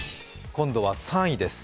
今度は３位です。